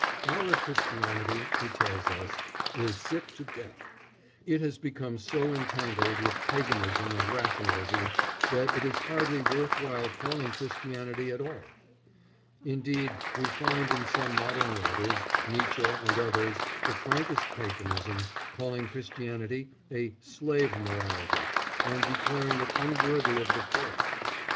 Our Christianity, he tells us, is sick to death; it has become so entangled with paganism and rationalism that it is hardly worth while calling Christianity at all; indeed we find in some modern writers Nietzsche and others the frankest paganism, calling Christianity a "slave morality," and declaring it unworthy of the free.